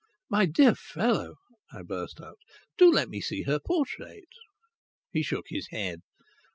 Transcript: "My dear fellow," I burst out, "do let me see her portrait." He shook his head.